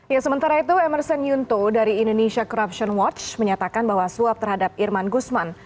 ya sementara itu emerson yunto dari indonesia corruption watch menyatakan bahwa suap terhadap irman gusman